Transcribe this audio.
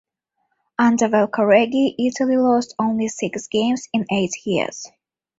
Under Valcareggi, Italy lost only six games in eight years.